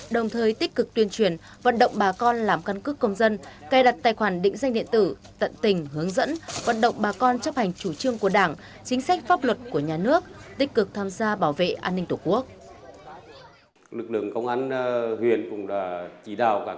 đồng thời tích cực tuyên truyền vận động bà con làm căn cước công dân cài đặt tài khoản định danh điện tử tận tình hướng dẫn vận động bà con chấp hành chủ trương của đảng chính sách pháp luật của nhà nước tích cực tham gia bảo vệ an ninh tổ quốc